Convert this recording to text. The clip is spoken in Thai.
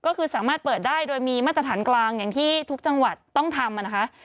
ก็คือสามารถเปิดได้โดยมีมาตรฐานกลางอย่างที่ทุกจังหวัดต้องทำนะคะ